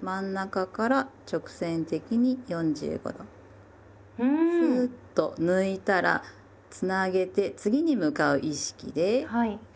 真ん中から直線的に４５度スーッと抜いたらつなげて次に向かう意識で右払いへ。